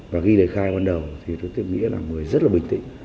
và ghi lời khai ban đầu thì đối tượng nghĩa là người rất là bình tĩnh